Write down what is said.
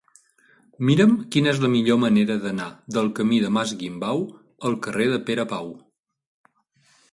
Mira'm quina és la millor manera d'anar del camí del Mas Guimbau al carrer de Pere Pau.